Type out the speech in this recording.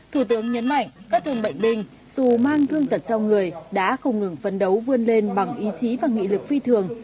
thủ tướng nhấn mạnh các thương bệnh binh dù mang thương tật trong người đã không ngừng phấn đấu vươn lên bằng ý chí và nghị lực phi thường